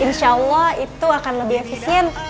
insya allah itu akan lebih efisien